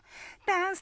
ダンス！